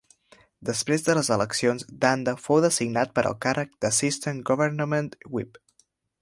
Després de les eleccions, Dhanda fou designat per al càrrec d'Assistant Government Whip.